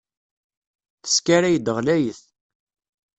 Teskaray-d ɣlayet.